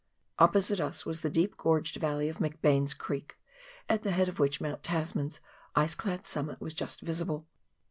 Opposite us was the deep gorged valley of McBain's Creek, at the head of which Mount Tasman's ice clad summit was just visible.